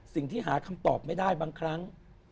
สิ่งที่หาคำตอบไม่ได้บางครั้ง